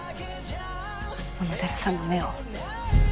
小野寺さんの目を。